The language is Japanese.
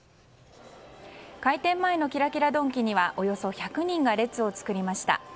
開店前のキラキラドンキにはおよそ１００人が列を作りました。